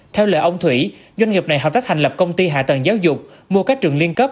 theo lời ông thủy doanh nghiệp này hợp tác thành lập công ty hạ tầng giáo dục mua các trường liên cấp